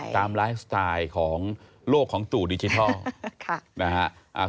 ตามไลฟ์สไตล์ของโลกของตู่ดิจิทัลนะฮะ